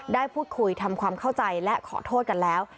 ได้พูดคุยทำความเข้าใจและขอโทษกันแล้ว